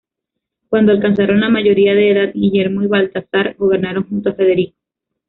Cuando alcanzaron la mayoría de edad, Guillermo y Baltasar gobernaron junto a Federico.